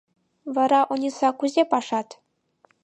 Вара, Ониса, кузе пашат?